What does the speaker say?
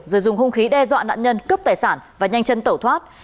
rồi dùng hung khí đe dọa nạn nhân cướp tài sản và nhanh chân tẩu thoát